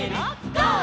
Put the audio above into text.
ゴー！」